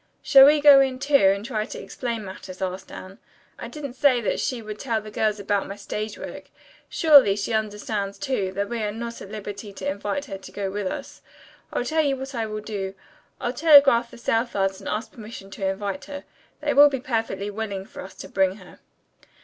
"Shall we go in, too, and try to explain matters?" asked Anne. "I didn't say that she would tell the girls about my stage work. Surely, she understands, too, that we are not at liberty to invite her to go with us. I'll tell you what I will do. I'll telegraph the Southards and ask permission to invite her. They will be perfectly willing for us to bring her."